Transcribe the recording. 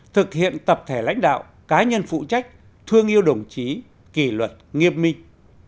thực hiện tập thể lãnh đạo cá nhân phụ trách thương yêu đồng chí kỳ luật nghiêm minh